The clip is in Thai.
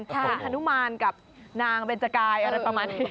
เป็นฮานุมานกับนางเบนจกายอะไรประมาณนี้